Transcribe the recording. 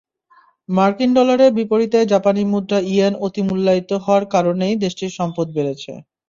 মার্কিন ডলারের বিপরীতে জাপানি মুদ্রা ইয়েন অতিমূল্যায়িত হওয়ার কারণেই দেশটির সম্পদ বেড়েছে।